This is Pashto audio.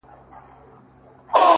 خداى پاماني كومه ـ